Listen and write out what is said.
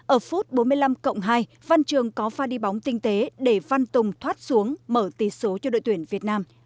ở phút bốn mươi năm cộng hai văn trường có pha đi bóng tinh tế để văn tùng thoát xuống mở tỷ số cho đội tuyển việt nam